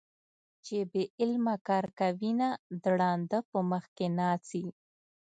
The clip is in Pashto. چې بې علمه کار کوينه - د ړانده په مخ کې ناڅي